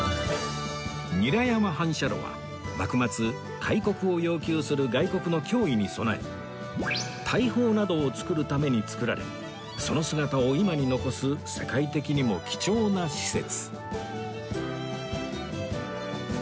韮山反射炉は幕末開国を要求する外国の脅威に備え大砲などを作るために造られその姿を今に残す世界的にも貴重な施設